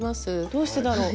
どうしてだろう？